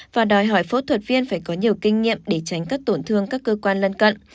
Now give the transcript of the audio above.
và đòi hỏi phẫu thuật viên phải có nhiều kinh nghiệm để tránh các tổn thương các cơ quan lân cận